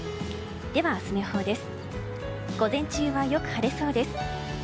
では明日の予報です。